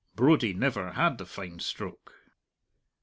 Brodie never had the fine stroke.